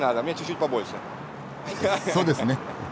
そうですね。